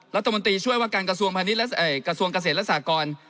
รัฐมนตรีช่วยว่าการกระทรวงเกษตรและสากร